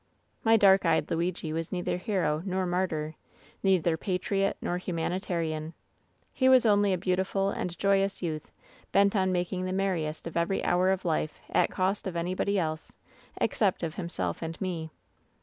* "My dark eyed Luigi was neither hero nor martyr; neither patriot nor humanitarian. He was only a beau tiful and joyous youth, bent on making the merriest of every hour of life at cost of anybody else, except of him self and me.